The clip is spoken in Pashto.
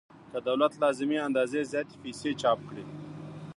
که دولت له لازمې اندازې زیاتې پیسې چاپ کړي